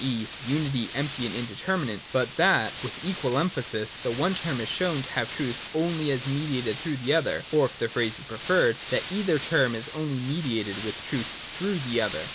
e. unity empty and indeterminate, but that — with equal emphasis — the one term is shown to have truth only as mediated through the other ;— or, if the phrase be preferred, that either term is only mediated with truth through the other.